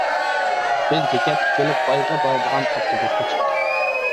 بىز بېكەتكە كېلىپ بايغا بارىدىغان ئاپتوبۇسقا چىقتۇق.